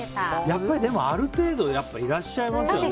やっぱりある程度いらっしゃいますよね。